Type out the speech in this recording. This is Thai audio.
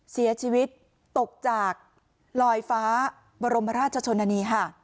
เสียชีวิตตกจากลอยฟ้าบรมราชชนนานีค่ะ